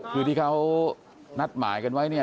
คือที่เขานัดหมายกันไว้